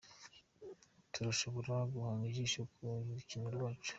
Turashobora guhanga ijisho ku rukino rwacu.